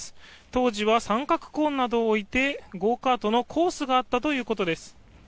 当時は三角コーンなどを置いてゴーカートのコースがあったということです。